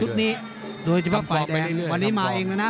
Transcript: นี้โดยเฉพาะฝ่ายแดงวันนี้มาเองแล้วนะ